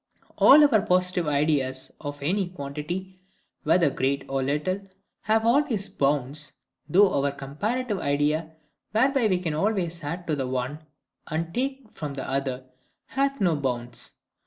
All our POSITIVE ideas of any quantity, whether great or little, have always bounds, though our COMPARATIVE idea, whereby we can always add to the one, and take from the other, hath no bounds.